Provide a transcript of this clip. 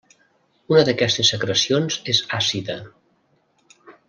Una d'aquestes secrecions és àcida.